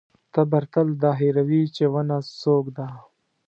تبر تل دا هېروي چې ونه څوک ده.